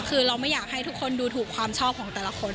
คือเราไม่อยากให้ทุกคนดูถูกความชอบของแต่ละคน